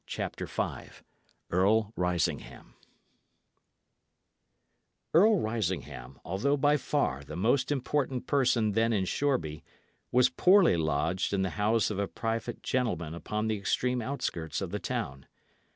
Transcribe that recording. CHAPTER V EARL RISINGHAM Earl Risingham, although by far the most important person then in Shoreby, was poorly lodged in the house of a private gentleman upon the extreme outskirts of the town.